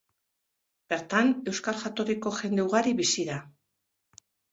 Bertan euskal jatorriko jende ugari bizi da.